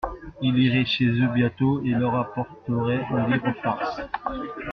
Il irait chez eux bientôt, et leur apporterait un livre farce.